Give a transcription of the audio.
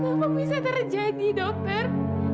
kenapa bisa terjadi dokter